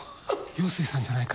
陽水さんじゃないか？」